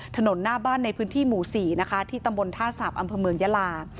ถนนหน้าบ้านในพื้นที่หมู่๔นะคะที่ตำบลท่าสาปอำเภอเมืองยาลา